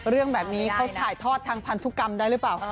เรื่องแบบนี้เขาถ่ายทอดทางพันธุกรรมได้หรือเปล่า